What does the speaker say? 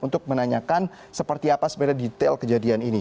untuk menanyakan seperti apa sebenarnya detail kejadian ini